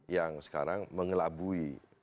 yang sekarang mengelabui